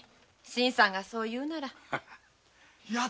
新さんがそう言うのならね。